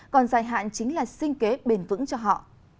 còn dài hạn chính là sinh kế bền vững cho họ